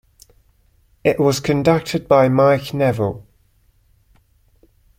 It was conducted by Mike Neville.